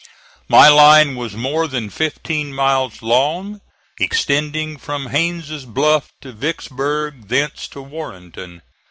My line was more than fifteen miles long, extending from Haines' Bluff to Vicksburg, thence to Warrenton.